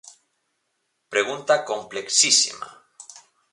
Pregunta complexísima.